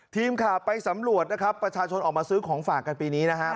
ทีมข่าวไปสำรวจนะครับประชาชนออกมาซื้อของฝากกันปีนี้นะครับ